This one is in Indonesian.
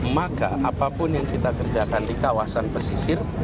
maka apapun yang kita kerjakan di kawasan pesisir